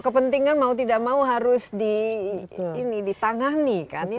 kepentingan mau tidak mau harus ditangani kan ya